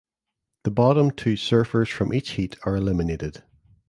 The bottom two surfers from each heat are eliminated.